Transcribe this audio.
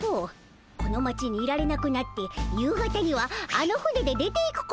この町にいられなくなって夕方にはあの船で出ていくことになるでおじゃる。